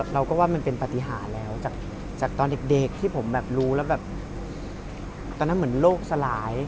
เราก็ว่ามันเป็นปฏิหารแล้วจากตอนเด็กที่ผมแบบรู้แล้วแบบตอนนั้นเหมือนโลกสลาย